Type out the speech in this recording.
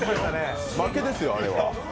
負けですよ、あれは。